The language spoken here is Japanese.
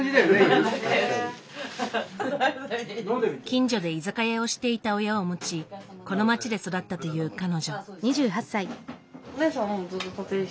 近所で居酒屋をしていた親を持ちこの街で育ったという彼女。